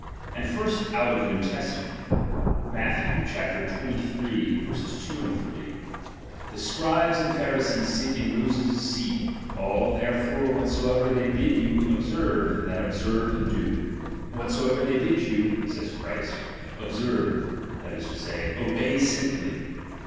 And first out of the New Testament : Matth. xxiii.2,3: The Scribes and Pharisees sitinMoses' seat ; all therefore, whatsoever they bid you ob serve, that observe and do. Whatsoever they bid you (says Christ) observe, that is to say, ohey simply.